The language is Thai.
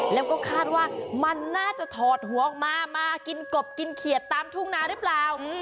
แล้วก็คาดว่ามันน่าจะถอดหัวออกมามากินกบกินเขียดตามทุ่งนาหรือเปล่า